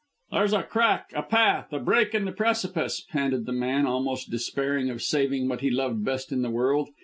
"There's a crack a path a break in the precipice," panted the man, almost despairing of saving what he loved best in the world.